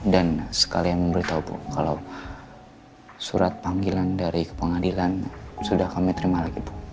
dan sekalian memberitahu bu kalau surat panggilan dari kepengadilan sudah kami terima lagi bu